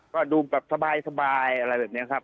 ก็ดูแบบสบายอะไรแบบนี้ครับ